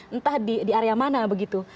entah di area mana begitu